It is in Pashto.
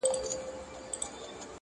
اوس هغه خلک هم لوڅي پښې روان دي-